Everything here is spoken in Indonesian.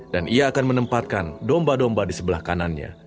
dan ia akan menempatkan domba domba di sebelah kanannya